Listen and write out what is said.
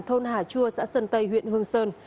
thôn hà chua xã sơn tây huyện hương sơn